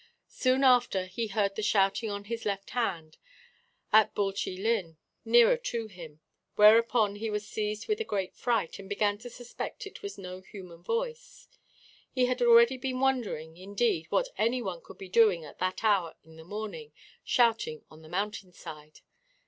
Soon after he heard the shouting on his left hand, at Bwlch y Llwyn, nearer to him, whereupon he was seized with a great fright, and began to suspect it was no human voice. He had already been wondering, indeed, what any one could be doing at that hour in the morning, shouting on the mountain side.